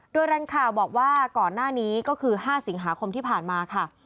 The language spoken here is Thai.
โดยแรงข่าวบอกว่าก่อนหน้านี้ก็คือ๕สิงหาคมที่ผ่านมาค่ะ